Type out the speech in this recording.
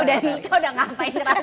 udah ngapain rasanya